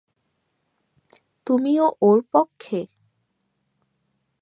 তুমি ও ওর পক্ষে?